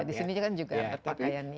ya di sini juga ada pakaian indah